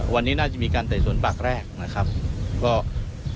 วันนี้น่าจะมีการไต่สวนปากแรกนะครับก็